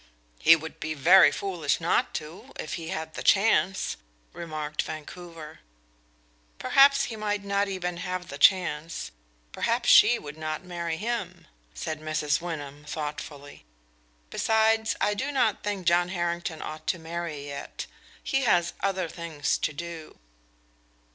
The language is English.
"He would be very foolish not to, if he had the chance," remarked Vancouver. "Perhaps he might not even have the chance perhaps she would not marry him," said Mrs. Wyndham, thoughtfully. "Besides, I do not think John Harrington ought to marry yet; he has other things to do."